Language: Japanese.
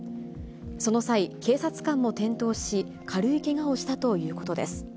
その際、警察官も転倒し、軽いけがをしたということです。